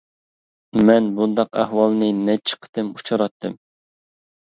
مەن بۇنداق ئەھۋالنى نەچچە قېتىم ئۇچراتتىم.